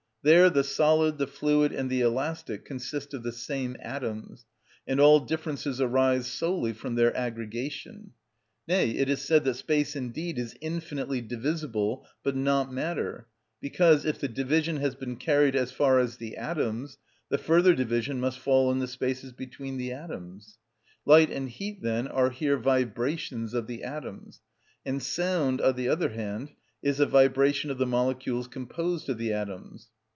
There the solid, the fluid, and the elastic consist of the same atoms, and all differences arise solely from their aggregation; nay, it is said that space indeed is infinitely divisible, but not matter; because, if the division has been carried as far as the atoms, the further division must fall in the spaces between the atoms! Light and heat, then, are here vibrations of the atoms; and sound, on the other hand, is a vibration of the molecules composed of the atoms.